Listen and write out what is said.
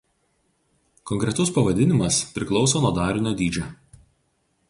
Konkretus pavadinimas priklauso nuo darinio dydžio.